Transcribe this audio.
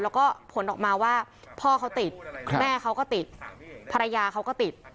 แล้วก็ผลออกมาว่าพ่อเขาติดแม่เขาก็ติดภรรยาเขาก็ติด